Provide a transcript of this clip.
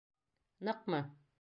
— Ныҡмы?